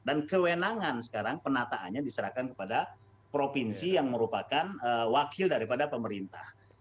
dan kewenangan sekarang penataannya diserahkan kepada provinsi yang merupakan wakil daripada pemerintah